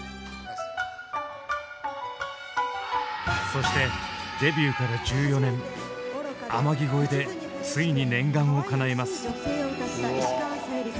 そしてデビューから１４年「天城越え」でついに念願をかなえます。